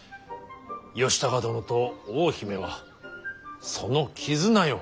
義高殿と大姫はその絆よ。